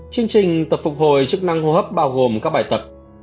chương trình tập phục hồi chức năng hô hấp bao gồm các bài tập